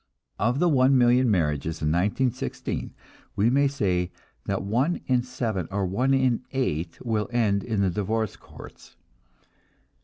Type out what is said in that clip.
Of the one million marriages in 1916, we may say that one in seven or one in eight will end in the divorce courts.